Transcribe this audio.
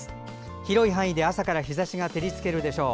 広い範囲で朝から日ざしが照りつけるでしょう。